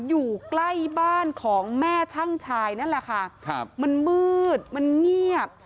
อยู่ใกล้บ้านของแม่ช่างชายนั่นแหละค่ะครับมันมืดมันเงียบ